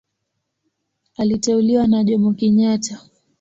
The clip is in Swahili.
Aliteuliwa na Jomo Kenyatta.